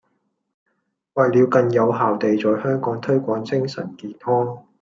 為了更有效地在香港推廣精神健康